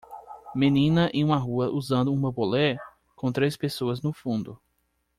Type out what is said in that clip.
Menina em uma rua usando um bambolê? com três pessoas no fundo.